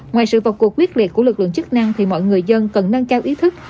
ngoài sự vật cuộc quyết liệt của lực lượng chức năng thì mọi người dân cần nâng cao ý thức